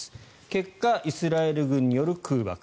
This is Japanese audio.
結果、イスラエル軍による空爆。